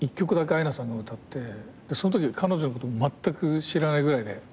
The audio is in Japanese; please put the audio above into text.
そのとき彼女のことまったく知らないぐらいで。